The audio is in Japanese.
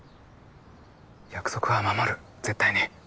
約束は守る絶対に。